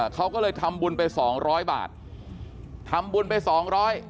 เขาก็เลยทำบุญไปสองร้อยบาททำบุญไปสองร้อย